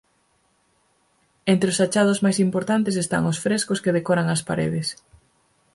Entre os achados máis importantes están os frescos que decoran as paredes.